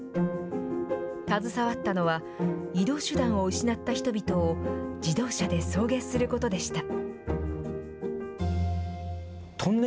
携わったのは、移動手段を失った人々を自動車で送迎することでした。